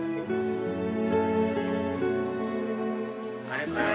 はい。